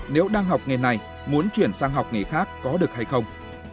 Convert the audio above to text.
nếu đang học nghề này muốn chuyển sang học nghề khác có được hay không